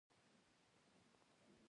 د ترجمې خلاصه شریکه کړم.